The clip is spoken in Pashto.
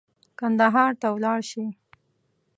کندهار ته ولاړ شي.